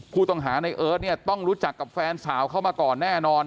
ผู้ต้องหาในเอิร์ทเนี่ยต้องรู้จักกับแฟนสาวเข้ามาก่อนแน่นอน